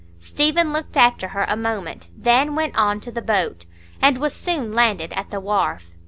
Stephen looked after her a moment, then went on to the boat, and was soon landed at the wharf.